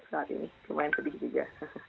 saat ini lumayan sedih juga